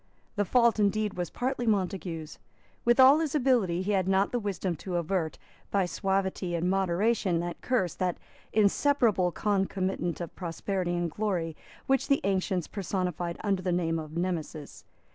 The fault indeed was partly Montague's. With all his ability, he had not the wisdom to avert, by suavity and moderation, that curse, the inseparable concomitant of prosperity and glory, which the ancients personified under the name of Nemesis.